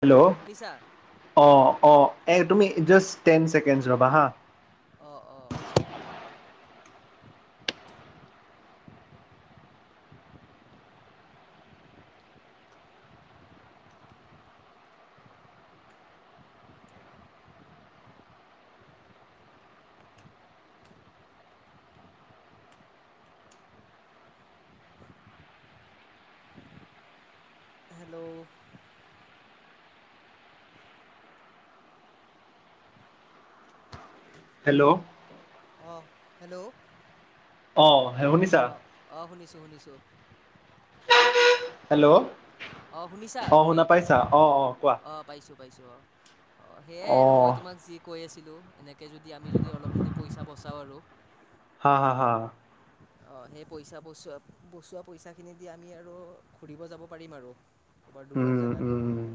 Hello শুনিছা অঁ অঁ এই তুমি জাষ্ট টেন চেকেণ্ড ৰবা হা অঁ অঁ [unintelligible] হেল্লৌ অঁ হেল্ল' আহ শুনিছা? অঁ অঁ শুনিছোঁ শুনিছোঁ হেল্ল' অ অঁ শুনিছা শুনা পাইছা অ অ কোৱা। পাইছো অ সেইয়াই আৰু অঁ মই তোমাক যি কৈ আছিলো এনেকে যদি আমি যদি অলপ যদি পইচা বচাওঁ আৰু হয় হয় হয় অ সেই পইচা বচোৱা বচোৱা পইচা খিনি দি আমি আৰু ঘূৰিব যাব পাৰিম আৰু। ক'ৰবাত দূৰৰ উম জেগাত। উম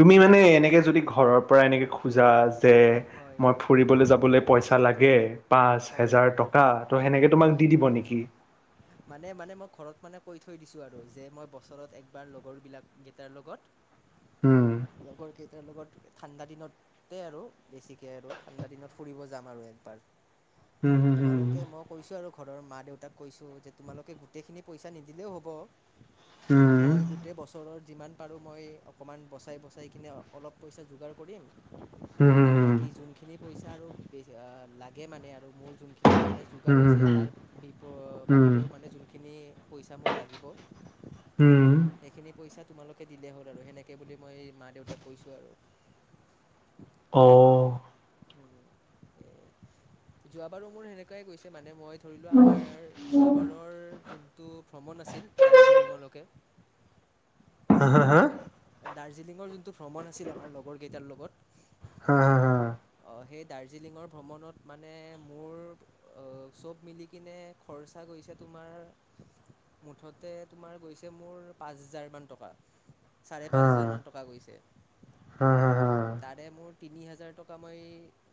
তুমি মানে এনেকে যদি ঘৰৰ পৰা এনেকে খোজা যে হয় মই ফুৰিবলৈ যাবলৈ পইচা লাগে পাঁচ হয় হেজাৰ হয় টকা টকা সেনেকে তোমাক হয় দি হয় দিব নেকি? মানে মানে মই ঘৰত মানে কৈ থৈ দিছোঁ আৰু যে মই বছৰত একবাৰ লগৰবিলাক কেইটাৰ লগত হম তেওঁলোকৰ ঠাণ্ডা দিনতে আৰু বেছিকে আৰু ঠাণ্ডা দিনত ফুৰিব যাম আৰু একবাৰ। হুম হুম তোমালোকে মোক কৈছোঁ আৰু ঘৰৰ মা দেউতাক কৈছোঁ যে তোমালোকে গোটেইখিনি পইচা নিদিলেও হ'ব হুম মই গোটেই বছৰত যিমান পাৰোঁ মই অকণমান বচাই বচাই কিনে অলপ পইচা যোগাৰ কৰিম হু বাকী যোনখিনি পইচা আৰু লাগে মানে আৰু আৰু মোৰ যোনখিনি মানে যোগাৰ হুম হুম হুম হৈছে তাৰ হুম বিপ হুম বাহিৰেও মানে যোন যিখিনি পইচা মোক লাগিব উম। এইখিনি পইচা তোমালোকে দিলেই হ'ল আৰু সেনেকে বুলি মই মা দেউতাক কৈছো আৰু। অ। উম, এ যোৱাবাৰো মোৰ সেনেকুৱাই গৈছে মানে মই ধৰিলো আমাৰ যোৱাবাৰৰ যোনটো ভ্ৰমণৰ আছিল দাৰ্জিলিঙৰ লৈকে। হা হা হা দাৰ্জিলিঙৰ যোনটো ভ্ৰমণ আছিল আমাৰ লগৰ কেইটাৰ লগত অ সেই দাৰ্জিলিঙৰ ভ্ৰমণত মানে মোৰ চব মিলি কিনে খৰ খৰ্চা গৈছে তোমাৰ মুঠতে তোমাৰ গৈছে মোৰ পাঁচ হাজাৰ মান টকা চাৰে পাঁচ হাজাৰ মান টকা গৈছে, তাৰে মোৰ তিনি হাজাৰ টকা পা মই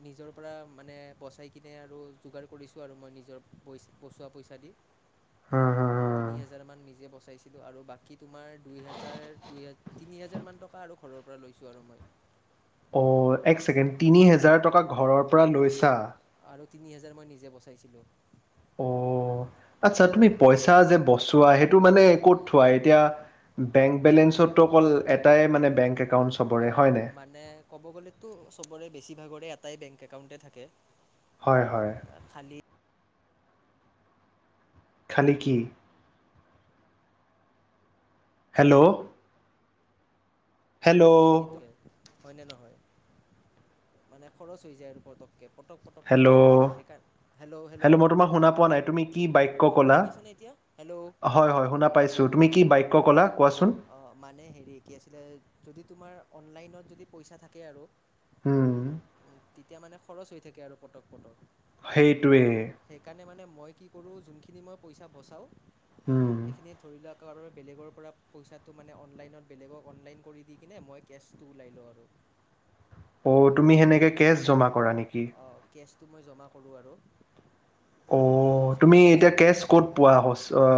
নিজৰ পৰা মানে বচাই কিনে আৰু যোগাৰ কৰিছোঁ আৰু মই নিজৰ পইছা বস্তু বচোৱা পইচা দি তিনি হাজাৰ মান নিজে বচাইছিলো আৰু বাকী তোমাৰ দুই হাজাৰ দু তিনি হাজাৰ মান টকা আৰু ঘৰৰ পৰা লৈছোঁ আৰু মই। অ' এক ছেকেণ্ড তিনি হোজাৰ টকা ঘৰৰ পৰা লৈছা? আৰু তিনি হাজাৰ মই নিজে বচাইছিলো। অ আচ্ছা তুমি পইচা যে বচোৱা সেইটো মানে ক'ত থোৱা, এতিয়া বেংক বেলেঞ্চত অ' অ' হয়নে মানে ক'ব গ'লেতো চবৰে বেছি ভাগৰে এটাই বেংক একাউণ্টে থাকে হয় হয়। খালী খালী কি হেল্ল'? হেল্ল' মানে হেৰিত, হয় নে নহয়? মানে খৰচ হৈ যায় আৰু পতককে পটক পটক হেল্ল' খৰচ হৈ থাকে, অ' হেল্ল' হেল্ল' মই তোমাক শুনা পোৱা নাই তুমি কি বাক্য অ' ক'লা শুনা পাইছা নে এতিয়া হেল্ল'? হয় হয় শুনা পাইছো।, তুমি কি অঁ বাক্য কলা কোৱাছোন। অঁ মানে হেৰি কি আছিলে যদি তোমাৰ অনলাইনত যদি পইচা থাকে আৰু হু তেতিয়া মানে খৰচ হৈ থাকে আৰু পটক পটক। সেইটোৱে। সেইকাৰণে মানে মই কি কৰোঁ যোনখিনি মই পইচা বচাওঁ, হুম সেইখিনি ধৰি লওক বেলেগৰ পৰা পইচাটো মানে অনলাইনত বেলেগক অনলাইন কৰি দি কিনে মই কেচটো ওলাই লওঁ আৰু। অঢ তুমি সেনেকে কেচ জমা কৰা নেকি? টো মই জমা কৰোঁ আৰু। অ' তাৰপিছত তুমি এতিয়া কেছটো কেচ ক'ত পোৱা,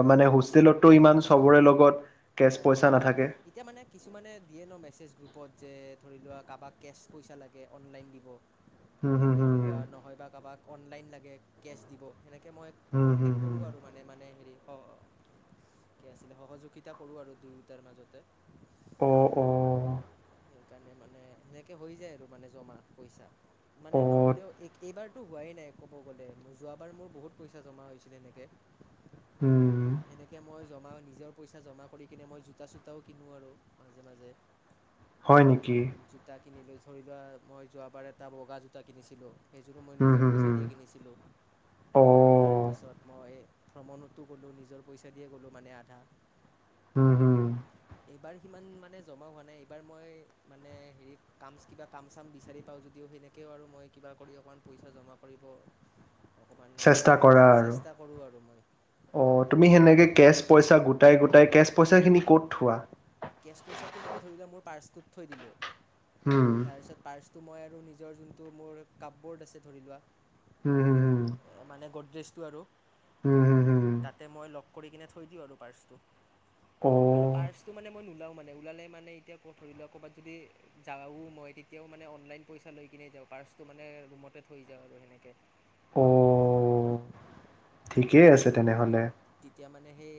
মানে হোষ্টেলত ত ইমান চবৰে লগত কেছ পইচা অ' নাথাকে। এতিয়া মানে কিছুমানে দিয়ে ন মেছেজ গ্ৰুপত। যে ধৰি লোৱা কাৰোবাক কেচ পইচা লাগে অনলাইন দিব হুম হুম হুম ধৰি লোৱা নহয় বা কাৰোবাক অনলাইন লাগে কেচ দিব সেনেকে মই হুম হুম কণ্টেক্ট কৰো হুম আৰু মানে মানে হেৰি স কি আছিলে সহযোগিতা সৰু আৰু দুয়োটাৰ মাজতে। অ অ। সেইকাৰণে মানে সেনেকৈ হৈ যায় আৰু মানে জমা পইচা মানে অ' নহ'লেও এই এইবাৰ টো হোৱাই নাই ক'ব গ'লে, যোৱাবাৰ মোৰ বহুত পইচা জমা হৈছিলে এনেকে। হম। জমা নিজৰ পইচা জমা কৰি কিনে মই জোতা চোতাও কিনো আৰু মাজে মাজে। হয় নেকি? কিনিলো। ধৰি লোৱা মই যোৱাবাৰে এটা বগা জোতা কিনিছিলোঁ। সেইযোৰো মই হুম নিজৰ হুম পইচা হুম দিয়ে কিনিছিলোঁ, অ' তাৰপিছত মই ভ্ৰমণতো গ'লো নিজৰ পইচা দিয়ে গ'লো মানে, আধা উম হু এইবাৰ সিমান মানে জমা হোৱা নাই। এবাৰ মই মানে হেৰি কাম কিবা কাম চাম বিচাৰি পাওঁ যদিও সেনেকেও আৰু মই কিবা কৰি অকণ পইচা জমা কৰিব অকণমান চেষ্টা কৰা আৰু চেষ্টা কৰোঁ আৰু, ম অ' তুমি সেনেকে কেচ পইচা গোটাই গোটাই কেচ পইচা খিনি ক'ত থোৱা? কেছ পইচাটো মই ধৰি লোৱা মোৰ পাৰ্চটোত থৈ দিলোঁ হুম তাৰছত পাৰ্ছ টো মই আৰু নিজৰ যোনটো মোৰ কাববৰ্ড আছে ধৰি লোৱা উম হম হম। দ্ৰেছটো আৰু হুম তাতে মই লগ কৰি কিনে থৈ দিওঁ আৰু পাৰ্ছটো। আৰু অ' পাৰ্ছটো মানে মই নোলাও মানে ওলালে মানে এতিয়া ক ধৰি ল ক'ৰবাত যদি যাও মই তেতিয়াও মানে অনলাইন পইচা লৈ কিন নে যাওঁ। পাৰ্চটো মানে ৰুমতে থৈ যাওঁ আৰু সেনেকে। অ ঠিকেই আছে তেনেহলে এতিয়া মানে সেই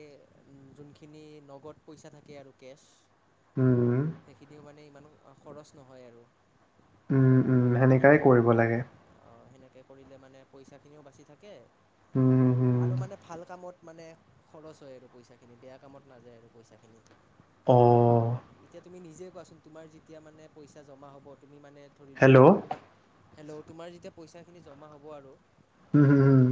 উম যোনখিনি নগদ পইচা থাকে আৰু কেচ উম, সেইখিনিও মানে ইমান খৰচ নহয় আৰু উম উম সেনেকাই কৰিব লাগে অ সেনেকে কৰিলে মানে পইচা খিনিও বাচি থাকে উম, হুম, হুম। আৰু মানে ভাল কামত মানে খৰচ হয় আৰু পইচাখিনি বেয়া কামত নাযায় আৰু পইচাখিনি অ', এতিয়া তুমি নিজে কোৱাচোন তোমাৰ যেতিয়া মানে পইচা জমা হ'ব তুমি মানে ধৰি লোৱা হেল্ল'? কবাত হেল্ল' তোমাৰ যেতিয়া পইচা খিনি জমা হ'ব আৰু উম হোম হোম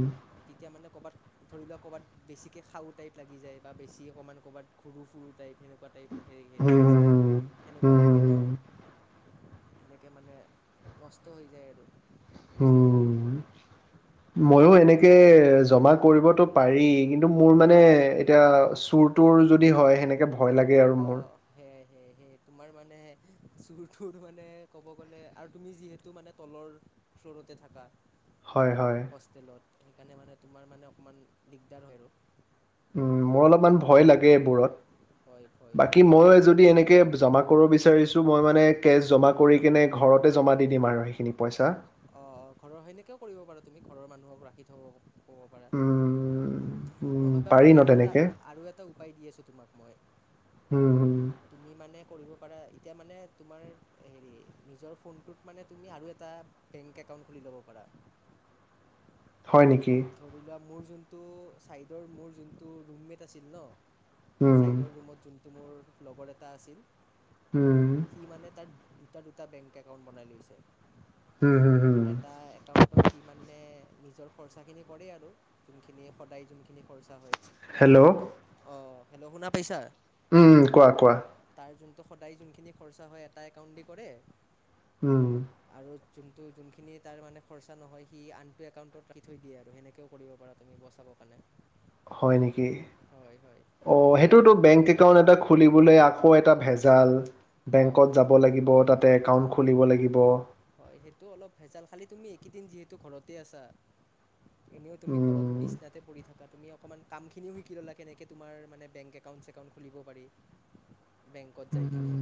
এতিয়া মানে ক'ৰবাত ধৰি লোৱা ক'বাত বেছিকৈ খাওঁ টাই লাগি যায় বা বেছি অকণমান ক'ৰবাত ঘুৰো ফুৰো টাইপ সেনেকুৱা টাইপ হেৰি হেৰি হুম, কি হুম, আছিলে হুম, সেনেকুৱা হুম, হুম, লাগে ন হুম, এনেকে মানে নষ্ট হৈ যায় আৰু পইচাখিনি উম মইয়ো এনেক কে জমা কৰিবতো পাৰি কিন্তু মোৰ মানে অঁ এতিয়া চুৰ তুৰ যদি হয় সেনেকে ভয় লাগে আৰু মোৰ অঁ সেয়াই সেয়াই সেই তোমাৰ মানে চুৰটো মানে ক'ব গলে আৰু তুমি যিহেতু মানে তলৰ ফ্লৱৰ টে থাকা হয় হয় হোষ্টেলত সেইকাৰণে মানে তোমাৰ মানে অকমান দিগদাৰ হয় আৰু উম মোৰ অলপমান ভয় লাগে ভয় এইবোৰত ভয় বাকী ভয়টো মইয়ো লাগে যদি এনেকে জমা কৰিব বিচাৰিছো মই মানে কেছ জমা কৰি কিনে ঘৰতে জমা দি দিম আৰু সেইখিনি পইচা অ ঘৰৰ, সেনেকাও কৰিব পাৰা তুমি ঘৰৰ মানুহক ৰাখি থব উম উম, নহয় বা পাৰি মই ন আৰু এটা তেনেকে আৰু এটা উপায় দি আছোঁ তোমাক মই? উম হুম তুমি মানে কৰিব পাৰা ই তিয়া মানে তোমাৰ হেৰি নিজৰ ফোনটোত মানে তুমি আৰু এটা বেংক একাউন্ট খুলি লব পাৰা, হয় নেকি ধৰি লোৱা মোৰ যোনটো চাইডৰ মোৰ যোনটো ৰুমমেট আছিল ন, উম চাইডৰ ৰুমত যোন টো মোৰ লগৰ এটা আছিল, উম সি মানে তাৰ দু টা দুটা বেংক একাউণ্ট বনাই লৈছে। হুম হুম হুম এটা একাউন্টত সি মানে নিজৰ খৰচাখিনি কৰে আৰু যোনখিনি সদায় যোনখিনি খৰচা হয়। হেল্ল'? অ হেল্ল' শুনা পাইছা? উম কোৱা কোৱা? ত সদায় যোনখিনি খৰচা হয় এটা একাউণ্ট দি কৰে উম। আৰু যোনটো যোনখিনি তাৰ মানে খৰচা নহয়, সি আনটো একাউণ্টত ৰাখি থৈ দিয়ে আৰু সেনেকেও কৰিব পাৰা তুমি বচাব মানে। হয় নেকি? অ সেইটোতো বেংক একাউণ্ট এটা খুলিবলৈ আকৌ এটা ভেজাল, বেংকত অঁ যাব লাগিব তাতে একাউণ্ট খুলিব লাগিব। হয় সেইটো অলপ ভেজাল, খালি তুমি এইকেইদিন যিহেতু ঘৰতে আছা এনেও তুমি ঘৰত উম বিছনাতে পৰি থাকা তুমি অকমান কামখিনিও শিকি ল'লা কেনেকে তোমাৰ মানে বেংক একাউণ্ট - ছেকাউণ্ট খুলিব পাৰি। বেংকত যাই কিনে উম,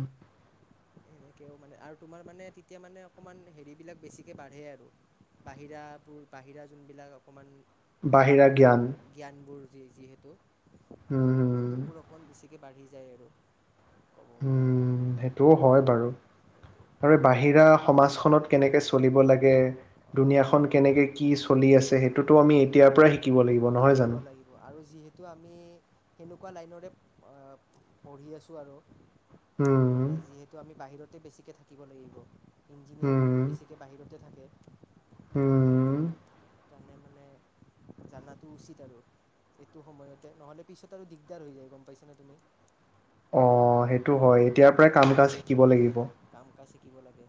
সেনেকেও মানে আৰু তোমাৰ মানে তেতিয়া মানে অকণমান হেৰিবিলাক বেছিকৈ বাঢ়ে আৰু বাহিৰাবোৰ বাহিৰা যোনবিলাক অকণমান বাহিৰা জ্ঞান জ্ঞানবোৰ যি যিহেতু উম হোম সেইবোৰ অকণমান বেছিকৈ বাঢ়ি যায় আৰু ক'ব গ'লে উম সেইটোও হয় বাৰু সেইটো হয় আৰু বাহিৰা সমাজখনত কেনেকে চলিব লাগে অঁ দুুনীয়াখনন কেনেকে কি চলি আছে সেইটো টো আমি এতিয়াৰ পৰাই শিকিব লাগিব নহয় জানো টো আমি সেনেকুৱা লাইনৰে পঢ়ি আছোঁ আৰু উম মানে যিহেতু আমি বাহিৰতে বেছিকে থাকিব লাগিব ইঞ্জিনিয়াৰ বোৰতো বেছিকে বাহিৰতে থাকে হোম সেইকাৰণে মানে জানাতো উচিত আৰু এইটো সময়তে নহলে পিছত আৰু দিগদাৰ হৈ যায় গম পাইছা নে তুমি অ সেইটো হয় এতিয়াৰ পৰাই কাম কাজ শিকিব লাগিব কাম কাজ শিকিব লাগে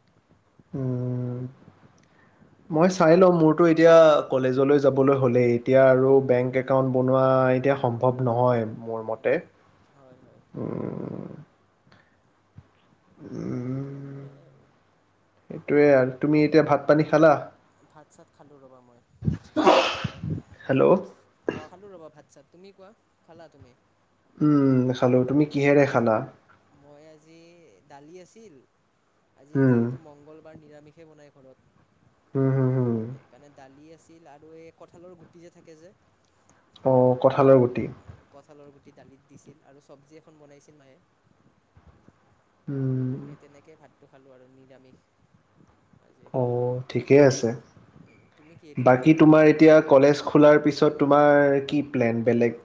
উম মই চাই লও মোৰতো এতিয়া কলেজলৈ যাবলৈ হ'লেই এতিয়া আৰু হয় হয় বেংক একাউণ্ট বনোৱা এতিয়া সম্ভৱ নহয় মোৰ মতে হয় হয় উম। উ, বাকী উ, সেয়াই আৰু সেইটোয়ে আৰু তুমি এতিয়া ভাত পানী খালা। ভাত চাত খালোঁ ৰ'বা মই। হেল্ল'। অ খালো ৰবা ভাত চাত তুমি কোৱা খালা তুমি। উম খালো তুমি কিহেৰে খালা মই আজি দালি আছিল আজি উম, যিহেতু মঙ্গলবাৰ নিৰা ষে বনাই হুম, হুম, হুম, ঘৰত সেইকাৰণে দালি আছে তিল আৰু এই কঁঠালৰ গুটি যে থাকে যে আহ কঁঠালৰ গুটি ৰুটি দালিত দিছিল আৰু চব্জি এখন বনাইছিল মায়ে উম, সেই তেনেকেই ভাতটো খালো আৰু নিৰামিষ। আজি অ' ঠিকেই আছে তুমি কিহেদি খালা বাকী তোমাৰ এতিয়া কলেজ খোলাৰ পিছত ত' তোমাৰ কি প্লেন বেলেগ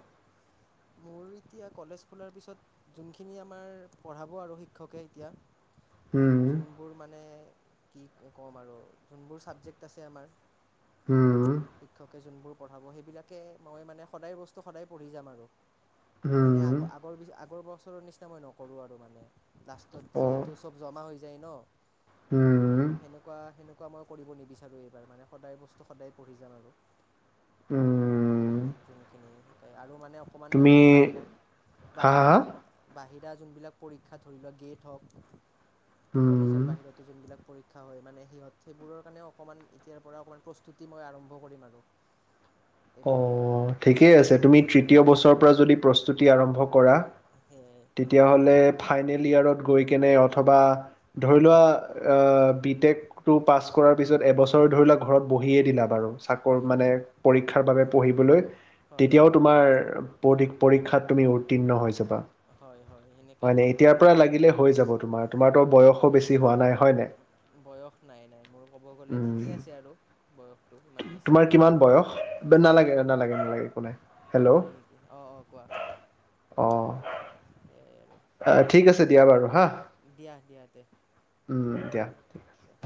মোৰ এতিয়া কলেজ খোলাৰ পিছত যোনখিনি আমাৰ পঢ়াব আৰু শিক্ষকে এতিয়া উম, যোনবোৰ মানে কি ক'ম আৰু যোনবোৰ চাবজেক্ট আছে আমাৰ হম'। শিক্ষকে যোনবোৰ পঢ়াব সেইবিলাকে মই মানে সদায় বস্তু সদায় পঢ়ি যাম আৰু মানে হুম, আগ আগৰ আগৰ বছৰৰ নিচিনা মই নকৰো আৰু মানে লাষ্টত যিহেতু চব জমা হৈ যায় ন হম। এনেকুৱা মই কৰিব নিবিচাৰোঁ এইবাৰ মানে সদায় বস্তু সদায় পঢ়ি যাম আৰু উম, যোনখিনি শিকাই আৰু মানে অকণমান মানে তুমি মই বাহিৰা হা, হা, বাহিৰা হা? বাহিৰা এতিয়া যোনবিলাক পৰীক্ষা ধৰি লোৱা গেট হওক কলেজৰ উম, বাহিৰতো যোনবিলাক পৰীক্ষা শিক্ষা হয় মানে সিহঁত সেইবোৰৰ কাৰণে অকমান এতিয়াৰ পৰা অকমান প্ৰস্তুতি মই আৰম্ভ কৰিম আৰু [inaudible] পৰা অ' ঠিকেই আছে তুমি তৃতীয় বছৰৰ পৰা যদি প্ৰস্তুতি আৰম্ভ কৰা সেয়াই তেতিয়াহ'লে ফাইনেল ইয়াৰত গৈ কেনে অথবা ধৰি লোৱা আহ বি টেকটো পাছ কৰাৰ পিছত এবছৰ ধৰি লোৱাক ঘৰত বহিয়ে দিলা বাৰু চাকৰ হয় মানে হয় পৰ শিক্ষাৰ বাবে পঢ়িবলৈ হয় তেতিয়াও হয় তোমাৰ পৰীক্ষাত তুমি উত্তীৰ্ণ হৈ যাবা। হয় হয় সেনেকৈ হয় নাই ভাবোঁ এতিয়াৰ আৰু পৰা মই লাগিলে হৈ যাব তোমাৰ তোমাৰতো বয়সো বেছি হোৱা নাই হয় নাই। বয়স নাই ন উম মো তোমাৰ কিমান বয়স নালাগে হয় নেকি অঁ অঁ কোৱা অ, সেয়াই আৰু আহ ঠিক আছে দিয়া বাৰু হা। দিয়া, দিয়া, দিয়া।